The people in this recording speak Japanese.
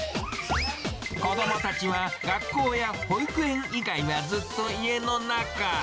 子どもたちは、学校や保育園以外はずっと家の中。